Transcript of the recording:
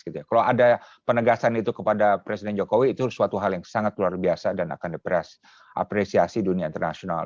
kalau ada penegasan itu kepada presiden jokowi itu suatu hal yang sangat luar biasa dan akan diperas dunia internasional